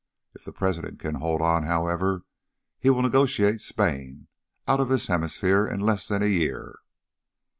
If the President can hold on, however, he will negotiate Spain out of this hemisphere in less than a year."